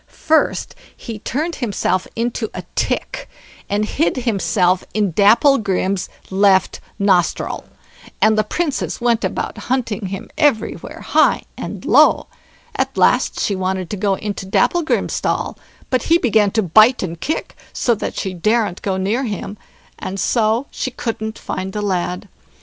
First he turned himself into a tick, and hid himself in Dapplegrim's left nostril; and the Princess went about hunting him everywhere, high and low; at last she wanted to go into Dapplegrim's stall, but he began to bite and kick, so that she daren't go near him, and so she couldn't find the lad.